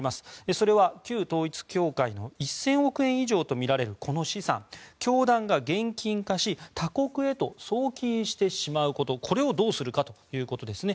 それは、旧統一教会の１０００億円以上とみられる資産教団が現金化し他国へと送金してしまうことこれをどうするかということですね。